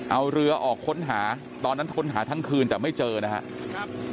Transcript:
เอาเรือออกค้นหาตอนนั้นค้นหาทั้งคืนแต่ไม่เจอนะครับ